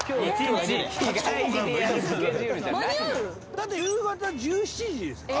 だって夕方１７時ですか。